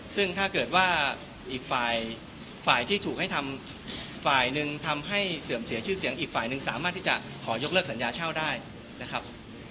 ซึ่งถ้าเกิดว่าอีกฝ่ายฝ่ายที่ถูกให้ทำฝ่ายหนึ่งทำให้เสื่อมเสียชื่อเสียงอีกฝ่ายหนึ่งสามารถที่จะขอยกเลิกสัญญาเช่าได้นะครับ